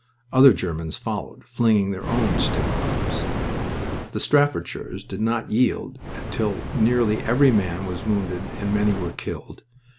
Other Germans followed, flinging their own stick bombs. The Staffordshires did not yield until nearly every man was wounded and many were killed.